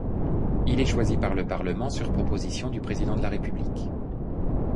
Il est choisi par le Parlement sur proposition du président de la République.